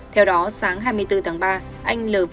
theo đó sáng hai mươi bốn tháng ba